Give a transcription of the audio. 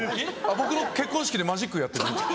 僕の結婚式でマジックやって。